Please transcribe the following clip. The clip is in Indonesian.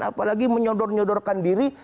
apalagi menyodor nyodorkan diri